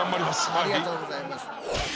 ありがとうございます。